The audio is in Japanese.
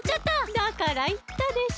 だからいったでしょ？